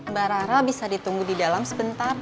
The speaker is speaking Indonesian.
mbak rara bisa ditunggu di dalam sebentar